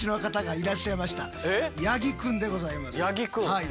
はい。